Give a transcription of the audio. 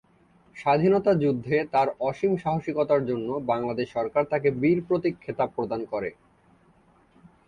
স্বাধীনতা যুদ্ধে তার অসীম সাহসিকতার জন্য বাংলাদেশ সরকার তাকে বীর প্রতীক খেতাব প্রদান করে।